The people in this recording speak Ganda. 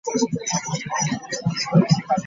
Fumbiramu ku kibajjo ky’omudambula.